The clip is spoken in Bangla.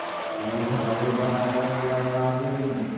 আমি দাদাকে খুব করে মারব এখন।